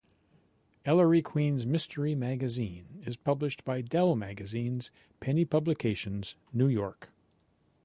"Ellery Queen's Mystery Magazine" is published by Dell Magazines, Penny Publications, New York.